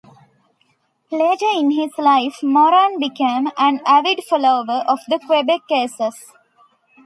Later in his life, Moran became an avid follower of the Quebec Aces.